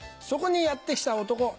そこにやって来た男。